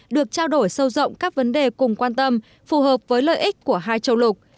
được trao đổi sâu rộng các vấn đề cùng quan tâm phù hợp với lợi ích của hai châu lục